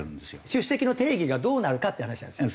出席の定義がどうなるかっていう話なんですね。